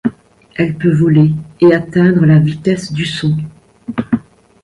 Elle peut voler et atteindre la vitesse du son.